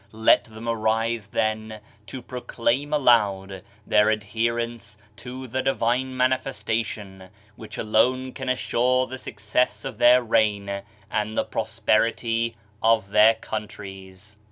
Let them arise then to proclaim aloud their adherence to the Divine Manifesta tion, which alone can assure the success of their reign and the prosperity of their countries.